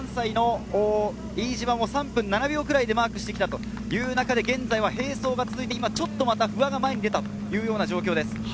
その関西の飯島も３分７秒ぐらいでマークしてきたという中で、現在は並走が続いて、今ちょっと不破が前に出たという状況です。